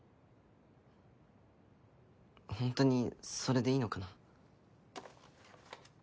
ホントにそれでいいのかな？